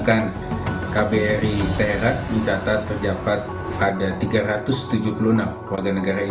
kbri mencali tempat penerbangan tahun dua ribu dua puluh satu